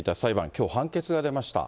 きょう判決が出ました。